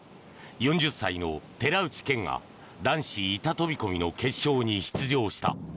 ４０歳の寺内健が男子板飛込の決勝に出場した。